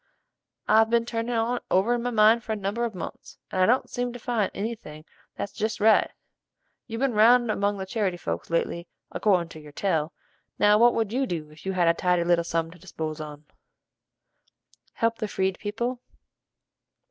I've been turnin' on't over in my mind for a number of months, and I don't seem to find any thing that's jest right. You've ben round among the charity folks lately accordin' to your tell, now what would you do if you had a tidy little sum to dispose on?" "Help the Freed people."